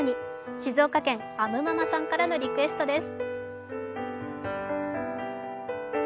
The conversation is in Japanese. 静岡県、アムママさんからのリクエストです。